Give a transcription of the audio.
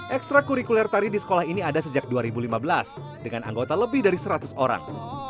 ekstra kurikuler tari di sekolah ini ada sejak dua ribu lima belas dengan anggota lebih dari seratus orang